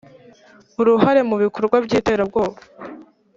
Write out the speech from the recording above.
uruhare mu bikorwa by iterabwoba